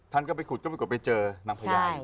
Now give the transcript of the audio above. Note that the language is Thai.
ท่านก็ไปขุดกรุขก็ไม่กดไปเจอนางพระยาย